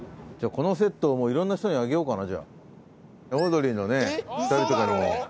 このセットをいろんな人にあげようかな。